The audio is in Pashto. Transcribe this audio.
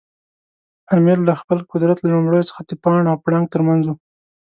امیر له خپل قدرت له لومړیو څخه د پاڼ او پړانګ ترمنځ و.